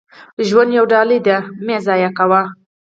• ژوند یوه ډالۍ ده، مه یې ضایع کوه.